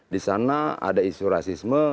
di sana ada isu rasisme